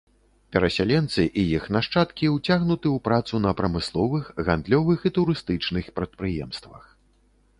Перасяленцы і іх нашчадкі ўцягнуты ў працу на прамысловых, гандлёвых і турыстычных прадпрыемствах.